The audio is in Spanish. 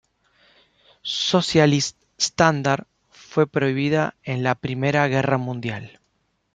Socialist Standard fue prohibido en la primera guerra mundial.